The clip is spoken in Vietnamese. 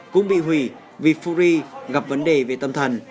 cũng bị hủy vì furi gặp vấn đề về tâm thần